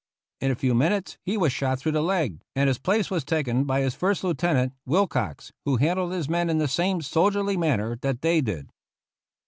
In a few minutes he was shot through the leg and his place was taken by his First Lieutenant, Wilcox, who handled his men in the same soldierly manner that Day did.